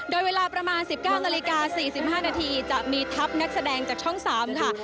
โดยเวลาประมาณ๑๙นาฬิกา๔๕นาทีจะมีทัพนักแสดงจากช่อง๓ค่ะ